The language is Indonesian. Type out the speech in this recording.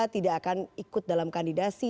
tidak akan ikut dalam kandidasi